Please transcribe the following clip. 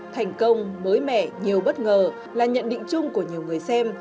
thành công mới mẻ nhiều bất ngờ là nhận định chung của nhiều người xem